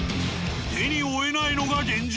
手に負えないのが現状。